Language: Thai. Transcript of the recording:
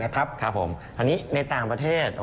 ครับผมอันนี้ในต่างประเทศ